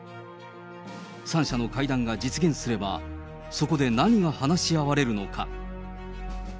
三者の会談が実現すれば、そこで何が話し合われるのか。